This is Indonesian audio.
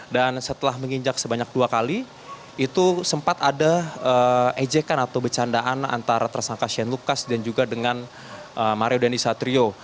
setelah menginjak sebanyak dua kali itu sempat ada ejekan atau bercandaan antara tersangka shane lucas dan juga dengan mario dandisatrio